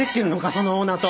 そのオーナーと。